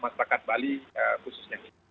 masyarakat bali khususnya